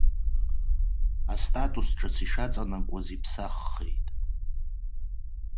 Астатус ҿыц ишаҵанакуаз иԥсаххеит.